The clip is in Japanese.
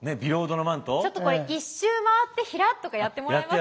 ちょっとこれ一周回ってヒラッとかやってもらえます？